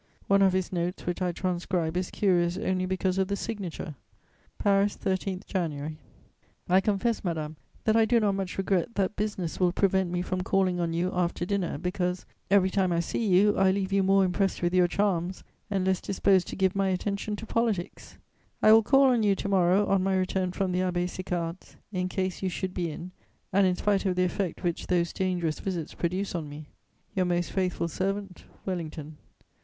One of his notes, which I transcribe, is curious only because of the signature: "PARIS, 13 January. "I confess, madame, that I do not much regret that business will prevent me from calling on you after dinner, because, every time I see you, I leave you more impressed with your charms and less disposed to give my attention to politics!!! "I will call on you to morrow on my return from the Abbé Sicard's, in case you should be in, and in spite of the effect which those dangerous visits produce on me. "Your most faithful servant, "WELLINGTON."